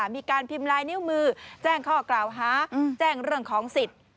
มีการพิมพ์ลายนิ้วมือแจ้งข้อกล่าวหาแจ้งเรื่องของสิทธิ์